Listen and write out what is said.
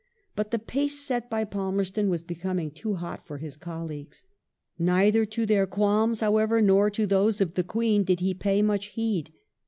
But the pace set by Palmerston was becoming too hot for his colleagues. Neither to their qualms, however, nor to those of the Queen did he pay much heed.